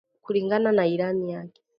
Kulingana na ilani yake